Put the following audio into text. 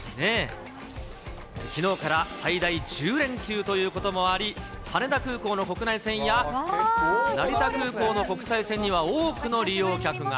きのうから最大１０連休ということもあり、羽田空港の国内線や成田空港の国際線には多くの利用客が。